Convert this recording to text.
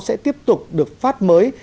sẽ tiếp tục được phát mới